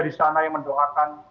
di sana yang mendoakan